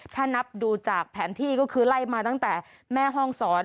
ถ้านับดูจากแผนที่ก็คือไล่มาตั้งแต่แม่ห้องศร